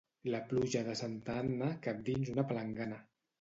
La pluja de Santa Anna cap dins una palangana.